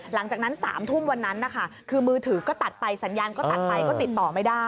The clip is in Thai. หลังจากนั้น๓ทุ่มวันนั้นนะคะคือมือถือก็ตัดไปสัญญาณก็ตัดไปก็ติดต่อไม่ได้